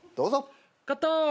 カット。